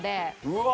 うわ！